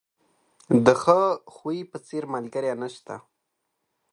د ښه خوی په څېر، ملګری نشته.